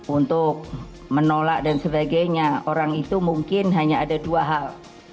untuk menolak dan sebagainya orang itu mungkin hanya ada dua hal